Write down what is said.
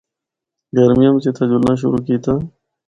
گرمیاں بچ اِتھا جُلنا شروع کیتا۔